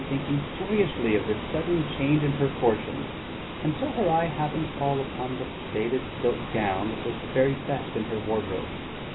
] thinking joyously of this sudden change in her fortunes until her eye happened to fall upon the faded silk gown that was the very best in her wardrobe.